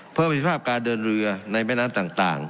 เพิ่มสิทธิภาพการเดินเรือในแม่น้ำต่าง